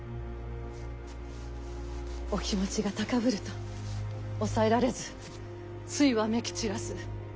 お気持ちが高ぶると抑えられずついわめき散らす。